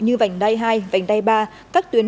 như vành đai hai vành đai ba các tuyến